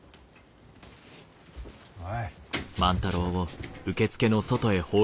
おい。